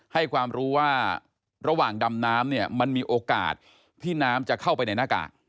ให้ความรู้ว่าระหว่างดำน้ำเนี่ยมันมีโอกาสที่น้ำจะเข้าไปในหน้ากาก